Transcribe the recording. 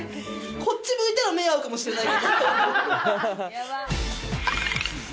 こっち向いたら目、合うかもしれない。